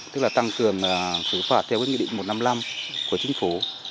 tức là tăng cường xử phạt theo cái nghị định một trăm năm mươi năm của chính phủ